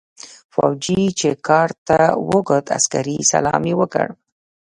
فوجي چې کارت ته وکوت عسکري سلام يې وکړ.